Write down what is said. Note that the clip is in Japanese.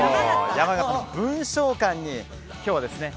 山形の文翔館に今日はですね